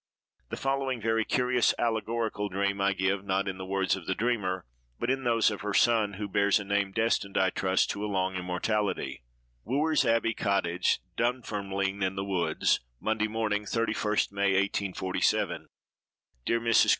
The following very curious allegorical dream I give, not in the words of the dreamer, but in those of her son, who bears a name destined, I trust, to a long immortality:— "WOOER'S ABBEY COTTAGE, DUNFERMLINE IN THE WOODS, } "Monday morning, 31st May, 1847. } "DEAR MRS.